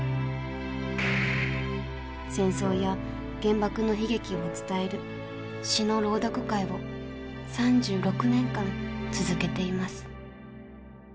戦争や原爆の悲劇を伝える詩の朗読会を３６年間続けています。